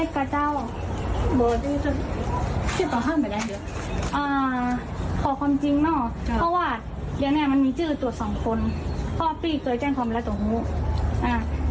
คือตรวจสองคนพ่อปีไปแจ้งคอมแร็กตรงนู้นอ่า